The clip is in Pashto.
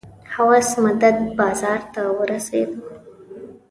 حوض مدد بازار ته ورسېدو.